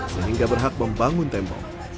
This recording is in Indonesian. sehingga berhak membangun tembok